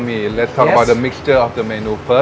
เธอเคยกินแบบรอดหรือยัง